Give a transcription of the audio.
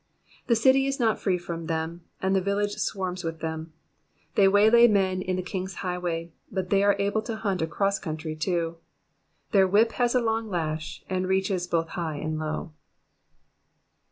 The city is not free from them, and the villasre swarms with them. They waylay men in the king's highway, but they are able to hunt across country, too. Their whip has a long lash, and reaches both high and low.